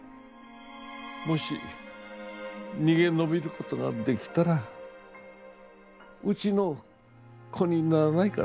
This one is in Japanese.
「もし逃げ延びることができたらうちの子にならないか」